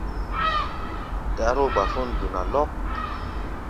Dáró-gbafón duna lɔ́k.